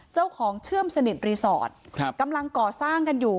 เชื่อมสนิทรีสอร์ทกำลังก่อสร้างกันอยู่